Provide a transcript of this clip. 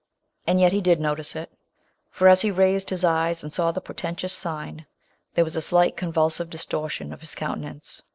And yet he did notice it; for as he raised his eyes and saw the portentous sign, there was a slight convulsive distortion of his counte nance.